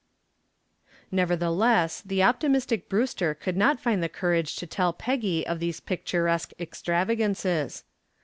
Nevertheless the optimistic Brewster could not find the courage to tell Peggy of these picturesque extravagances.